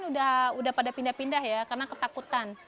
udah pada pindah pindah ya karena ketakutan